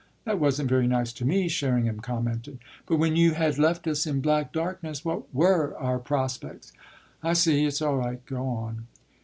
"That wasn't very nice to me," Sherringham commented. "But when you had left us in black darkness what were our prospects?" "I see. It's all right. Go on."